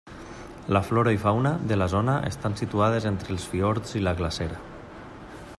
La flora i fauna de la zona estan situades entre els fiords i la glacera.